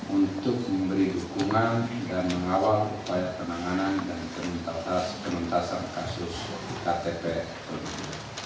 untuk memberi dukungan dan mengawal upaya penanganan dan penuntasan kasus ktp elektronik